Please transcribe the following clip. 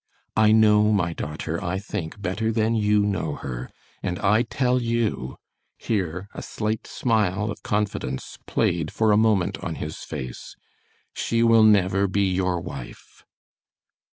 I know my daughter, I think, better than you know her, and I tell you," here a slight smile of confidence played for a moment on his face, "she will never be your wife."